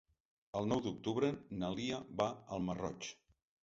El nou d'octubre na Lia va al Masroig.